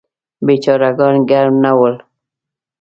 بیچاره ګان ګرم نه ول.